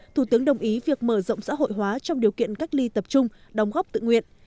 thủ tướng đồng ý việc mở rộng xã hội hóa trong điều kiện cách ly tập trung đóng góp tự nguyện